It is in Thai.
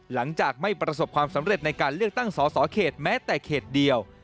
หลังจากไม่ประสบความสำเร็จในการเลือกตั้งสอสอเขตแม้แต่เขตเดียว